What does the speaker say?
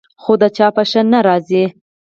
خو د چا په ښه نه راځي.